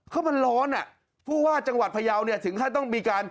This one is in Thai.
เพราะมันร้อนพูดว่าจังหวัดพยาวถึงให้ต้องมีการ